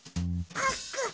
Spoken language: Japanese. パックン！